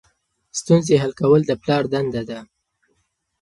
ستونزې حل کول د پلار دنده ده.